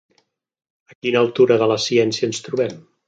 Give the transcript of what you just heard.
A quina altura de la ciència ens trobem?